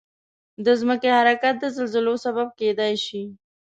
د ځمکې حرکت د زلزلو سبب کېدای شي.